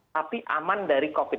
tapi aman dari covid sembilan belas